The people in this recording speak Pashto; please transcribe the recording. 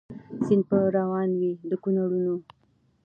سیند به روان وي د کونړونو